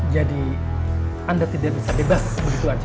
jadi anda tidak bisa bebas begitu aja